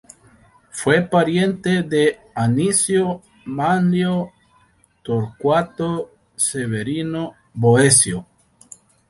Fue pariente de Anicio Manlio Torcuato Severino Boecio.